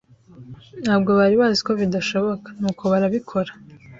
Ntabwo bari bazi ko bidashoboka, nuko barabikora.